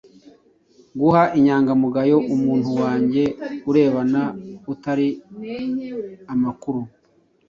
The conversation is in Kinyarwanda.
guha inyangamugayo umuntu wange arebana utari amakuru